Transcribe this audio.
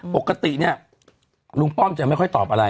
ปกติเนี่ยลุงป้อมจะไม่ค่อยตอบอะไร